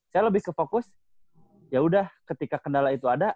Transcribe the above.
saya lebih ke fokus yaudah ketika kendala itu ada